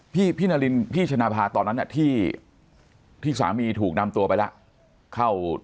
พี่นารินพี่ฉนาภาชเราที่สามีถูกนำไปแล้ว